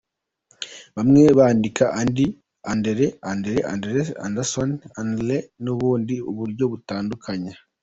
Bamwe bandika Andi, Andrea, Andrew, Andres, Anderson, Andreas n’ubundi buryo butandukanye.